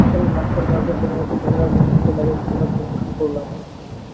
সারি সারি লাশের মাঝে কোনোমতে ক্যামেরার মুখোমুখি দাঁড়িয়ে সংবাদ পরিবেশন করলাম।